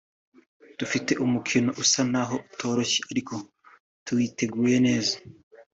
Dufite umukino usa naho utoroshye ariko tuwiteguye neza